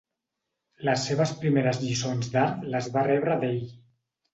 Les seves primeres lliçons d'art las va rebre d'ell.